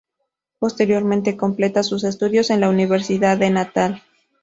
Posteriormente completa sus estudios en la Universidad de Natal.